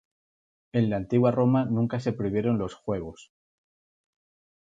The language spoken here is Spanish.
En la antigua Roma nunca se prohibieron los juegos.